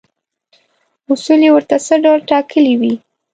اصول یې ورته څه ډول ټاکلي وي.